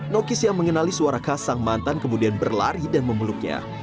nokis yang mengenali suara khas sang mantan kemudian berlari dan memeluknya